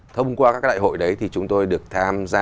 thông qua các cái đại hội đấy thì chúng tôi được tham gia vở